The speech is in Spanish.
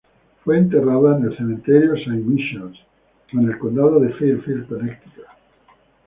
Fue enterrada en el Cementerio Saint Michaels, en el Condado de Fairfield, Connecticut.